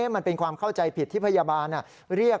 มันเป็นความเข้าใจผิดที่พยาบาลเรียก